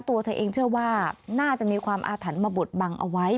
ตัวเธอเองเชื่อว่าน่าจะมีความอาถรรพ์มาบดบังเอาไว้